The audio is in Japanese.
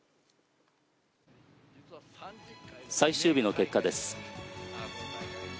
最終日の結果です。